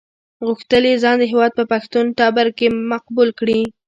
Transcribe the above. غوښتل یې ځان د هېواد په پښتون ټبر کې مقبول کړي.